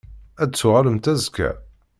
Ad d-tuɣalemt azekka?